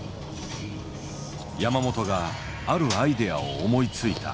山本があるアイデアを思いついた。